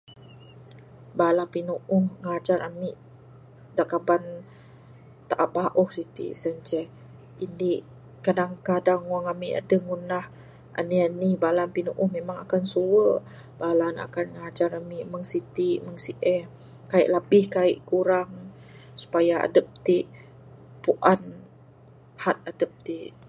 Bala pinuuh ngajar ami dak kaban taap bauh siti sien inceh indi kadang-kadang wang ami aduh ngunah anih-anih bala pinuuh memang akan suwe bala ne akan ngajar ami meng siti meng sieh kai labih kai kurang supaya adup ti puan had adup ti